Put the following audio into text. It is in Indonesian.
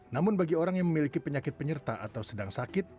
namun bagi orang yang memiliki penyakit penyerta atau sedang sakit